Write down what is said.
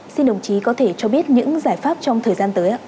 xin đồng chí có thể cho biết những giải pháp trong thời gian tới ạ